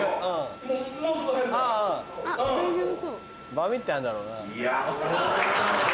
バミってあんだろうな。